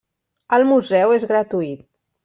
El Museu és gratuït.